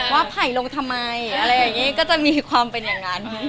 ไผ่ลงทำไมอะไรอย่างนี้ก็จะมีความเป็นอย่างนั้น